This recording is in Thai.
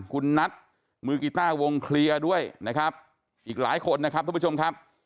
คุณนัทมือกีต้าวงเคลียร์ด้วยนะครับอีกหลายคนนะครับทุกผู้ชมครับ